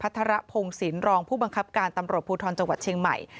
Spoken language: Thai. ทรพงศิลป์รองผู้บังคับการตำรวจภูทรจังหวัดเชียงใหม่